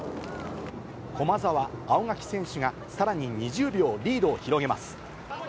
駒澤、青柿選手がさらに２０秒リードを広げます。